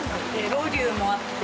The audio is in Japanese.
ロウリュもあって。